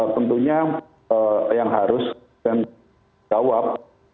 tentunya yang harus dijawab